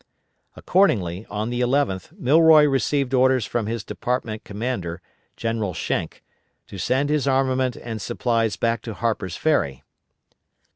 Accordingly, on the 11th, Milroy received orders from his department commander, General Schenck, to send his armament and supplies back to Harper's Ferry.